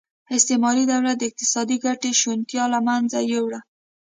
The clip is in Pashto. استعماري دولت د اقتصادي ګټې شونتیا له منځه یووړه.